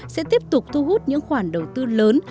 sẽ tiếp tục thu hút những khoản đầu tư lớn